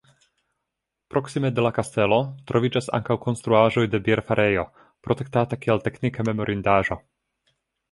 Proksime de la kastelo troviĝas ankaŭ konstruaĵoj de bierfarejo, protektata kiel teknika memorindaĵo.